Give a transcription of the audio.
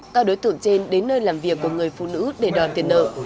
các đối tượng trên đến nơi làm việc của người phụ nữ để đòi tiền nợ